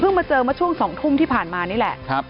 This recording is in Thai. เพิ่งมาเจอมาช่วงสองทุ่มที่ผ่านมานี่แหละครับ